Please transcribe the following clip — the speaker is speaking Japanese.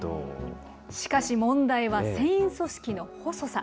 しかし、問題は繊維組織の細さ。